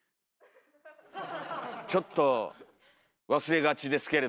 ちょっと忘れがちですけれども。